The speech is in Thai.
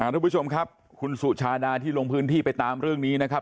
ทุกผู้ชมครับคุณสุชาดาที่ลงพื้นที่ไปตามเรื่องนี้นะครับ